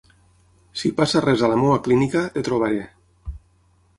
Si passa res a la meva clínica, et trobaré.